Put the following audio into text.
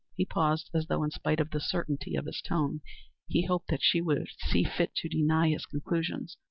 He paused as though in spite of the certainty of his tone, he hoped that she would see fit to deny his conclusions.